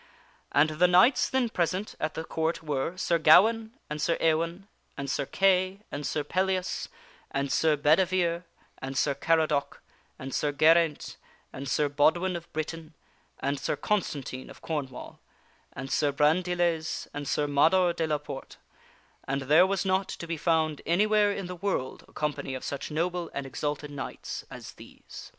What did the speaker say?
And the knights then present at that Court were, Sir Gawaine, and Sir 42 THE WINNING OF A SWORD Ewaine, and Sir Kay, and Sir Pellias, and Sir Bedevere, and Sir Caradoc, and Sir Geraint, and Sir Bodwin of Britain and Sir Constantine of Corn wall, and Sir Brandiles and Sir Mador de la Porte, and there was not to be found anywhere in the world a company of such noble and exalted knights as these.